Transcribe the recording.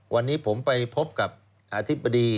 วันนี้ผมไปพบกับอธิบดี